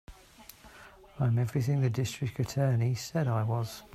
I'm everything the District Attorney said I was.